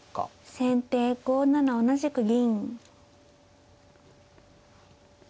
先手５七同じく銀。